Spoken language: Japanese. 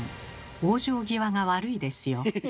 往生際が悪いですよ。